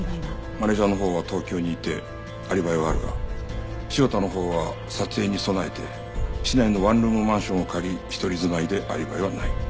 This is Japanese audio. マネジャーのほうは東京にいてアリバイはあるが潮田のほうは撮影に備えて市内のワンルームマンションを借り一人住まいでアリバイはない。